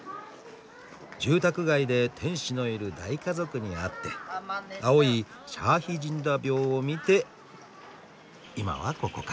住宅街で天使のいる大家族に会って青いシャーヒジンダ廟を見て今はここか。